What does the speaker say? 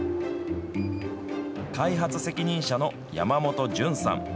開発責任者の山本準さん。